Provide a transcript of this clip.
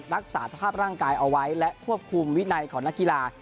รักษาสภาพร่างกายเอาไว้และควบคุมวินัยของนักกีฬา